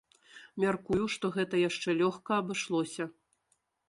Мяркую, што гэта яшчэ лёгка абышлося.